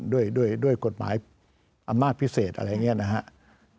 ด้วยกฎหมายอำนาจพิเศษอะไรอย่างนี้นะครับ